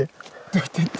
どいてって。